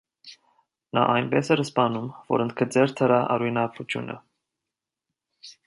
Նա այնպես էր սպանում, որ ընդգծեր դրա արյունարբությունը։